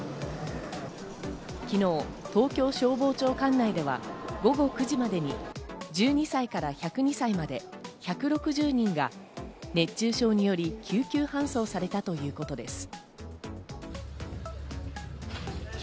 昨日、東京消防庁管内では午後９時までに１２歳から１０２歳まで１６０人が熱中症により救急搬送されたということです。